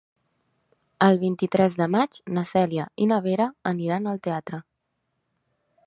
El vint-i-tres de maig na Cèlia i na Vera aniran al teatre.